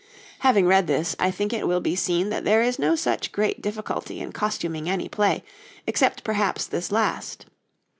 Having read this, I think it will be seen that there is no such great difficulty in costuming any play, except perhaps this last.